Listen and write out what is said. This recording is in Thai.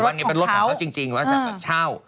ว่านี่เป็นรถของเขาจริงว่าจะเช่า